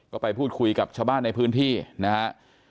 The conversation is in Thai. ก็ไปพูดคุยกับชาวบ้านในพื้นที่นะฮะ